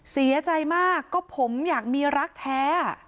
เสียใจมากก็ผมอยากมีรักแท้